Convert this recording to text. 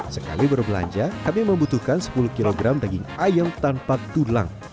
sekali berbelanja kami membutuhkan sepuluh kg daging ayam tanpa tulang